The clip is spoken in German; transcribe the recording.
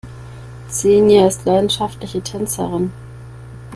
Xenia ist leidenschaftliche Tänzerin.